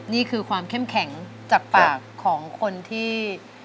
นี่คือความเข้มแข็งจากปากของคนที่